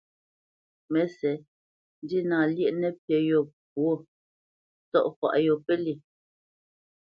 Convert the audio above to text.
Mə́sɛ̌t, ndína lyéʼ nəpí yô pwô, ntsɔ̂faʼ yô pə́lyê.